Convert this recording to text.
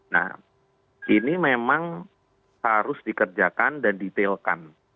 nah ini memang harus dikerjakan dan detailkan